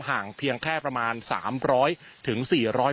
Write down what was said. ห่างเพียงแค่ประมาณ๓๐๐๔๐๐เมตร